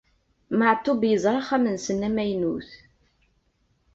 Maɛṭub yeẓra axxam-nsen amaynut.